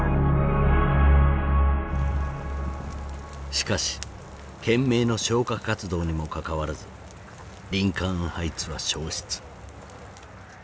しかし懸命の消火活動にもかかわらずリンカーン・ハイツは焼失。